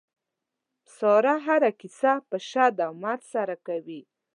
ساره هره کیسه په شد او مد سره کوي.